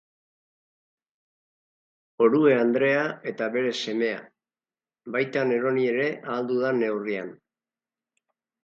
Orue andrea eta bere semea, baita neroni ere ahal dudan neurrian.